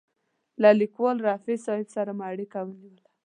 له لیکوال رفیع صاحب سره مو اړیکه ونیوله.